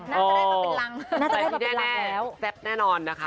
น่าจะได้ประเป็นหลังน่าจะได้ประเป็นหลักแล้วแซ่บแน่นอนนะคะ